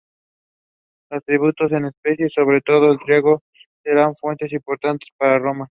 Los tributos en especie, sobre todo el trigo, serán fuente importante para Roma.